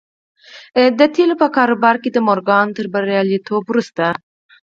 د تيلو په کاروبار کې د مورګان تر برياليتوب وروسته.